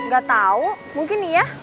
gak tau mungkin iya